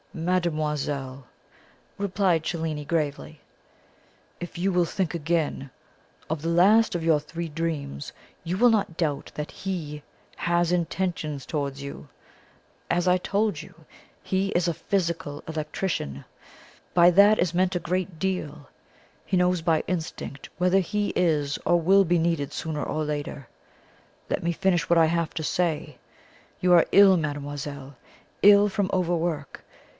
"Mademoiselle," replied Cellini gravely, "if you will think again of the last of your three dreams, you will not doubt that he HAS intentions towards you. As I told you, he is a PHYSICAL ELECTRICIAN. By that is meant a great deal. He knows by instinct whether he is or will be needed sooner or later. Let me finish what I have to say. You are ill, mademoiselle ill from over work.